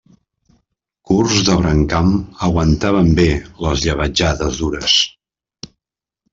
Curts de brancam, aguantaven bé les llebetjades dures.